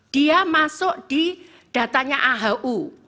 dia masuk di datanya ahu